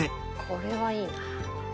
これはいいな。